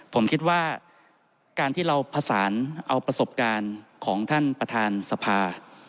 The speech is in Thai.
ผมคิดว่าการที่เราผสานเอาประสบการณ์ของท่านประธานสภา